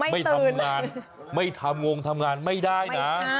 ไม่ทำงานไม่ทำงงทำงานไม่ได้นะ